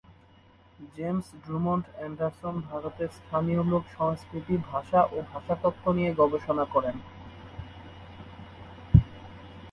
James Drummond Anderson ভারতে স্থানীয় লোক-সংস্কৃতি, ভাষা ও ভাষাতত্ত্ব নিয়ে গবেষণা করেন।